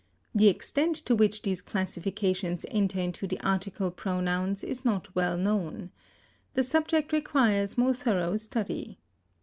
The extent to which these classifications enter into the article pronouns is not well known. The subject requires more thorough study.